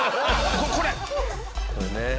これね。